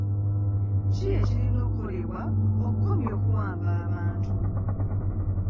Ki ekirina okukolebwa okukomya okuwamba abantu?